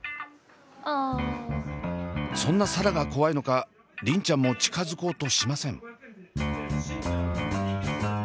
そんな紗蘭が怖いのか梨鈴ちゃんも近づこうとしません。